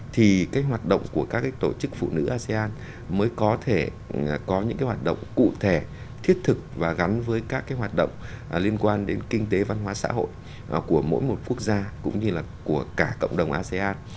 thì cái hoạt động của các tổ chức phụ nữ asean mới có thể có những cái hoạt động cụ thể thiết thực và gắn với các cái hoạt động liên quan đến kinh tế văn hóa xã hội của mỗi một quốc gia cũng như là của cả cộng đồng asean